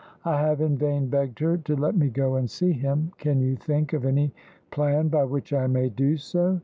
I have in vain begged her to let me go and see him can you think of any plan by which I may do so?